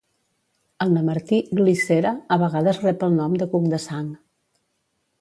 El nemertí "Glycera" a vegades rep el nom de cuc de sang.